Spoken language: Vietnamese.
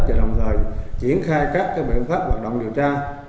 và đồng thời triển khai các biện pháp hoạt động điều tra